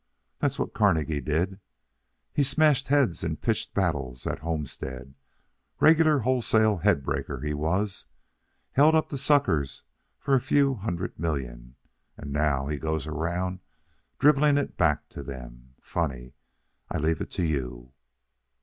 That's what Carnegie did. He smashed heads in pitched battles at Homestead, regular wholesale head breaker he was, held up the suckers for a few hundred million, and now he goes around dribbling it back to them. Funny? I leave it to you."